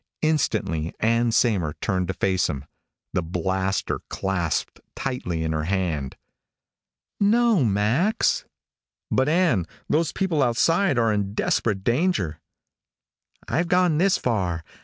Instantly, Ann Saymer turned to face him, the blaster clasped tightly in her hand. "No, Max." "But, Ann, those people outside are in desperate danger " "I've gone this far.